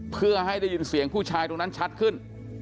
เพื่อให้ได้ยินเสียงผู้ชายตรงนั้นชัดขึ้น